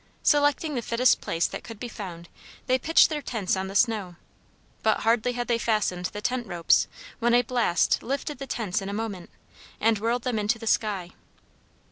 Selecting the fittest place that could be found they pitched their tents on the snow, but hardly had they fastened the tent ropes when a blast lifted the tents in a moment, and whirled them into the sky.